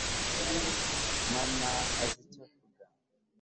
mama azi icyo avuga